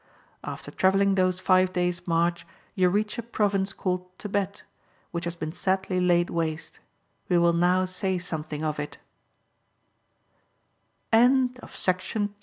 After travelling those five days' march, you reach a province called Tebet, which has been sadly laitl waste ; we will now say something